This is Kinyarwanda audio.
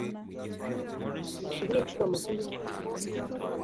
muyikubire incuro makumyabiri n'ebyiri